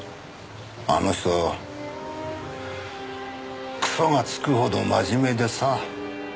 あの人クソがつくほど真面目でさ